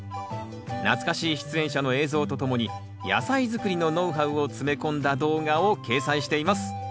懐かしい出演者の映像とともに野菜づくりのノウハウを詰め込んだ動画を掲載しています。